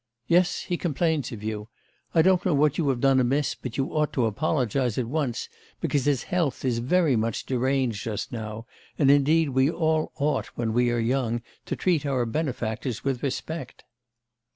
'Yes, he complains of you. I don't know what you have done amiss, but you ought to apologise at once, because his health is very much deranged just now, and indeed we all ought when we are young to treat our benefactors with respect.